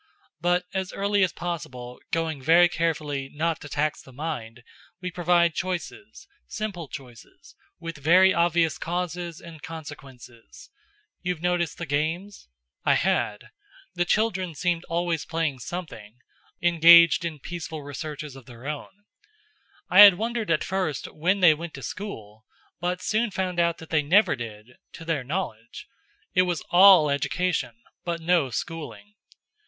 But as early as possible, going very carefully, not to tax the mind, we provide choices, simple choices, with very obvious causes and consequences. You've noticed the games?" I had. The children seemed always playing something; or else, sometimes, engaged in peaceful researches of their own. I had wondered at first when they went to school, but soon found that they never did to their knowledge. It was all education but no schooling.